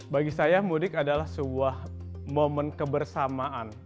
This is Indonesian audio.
bagi saya mudik adalah sebuah momen kebersamaan